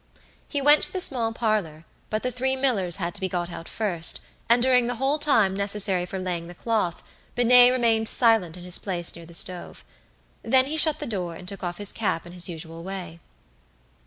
He went to the small parlour, but the three millers had to be got out first, and during the whole time necessary for laying the cloth, Binet remained silent in his place near the stove. Then he shut the door and took off his cap in his usual way.